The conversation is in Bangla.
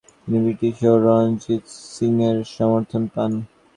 তিনি ব্রিটিশ ও রণজিৎ সিঙের সমর্থন পান।